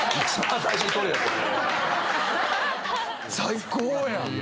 最高やん。